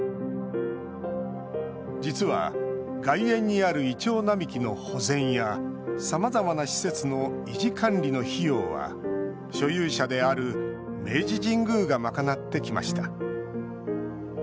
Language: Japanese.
実は、外苑にあるイチョウ並木の保全やさまざまな施設の維持管理の費用は所有者である明治神宮が賄ってきました。